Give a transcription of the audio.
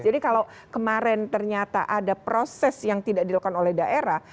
jadi kalau kemarin ternyata ada proses yang tidak dilakukan oleh daerah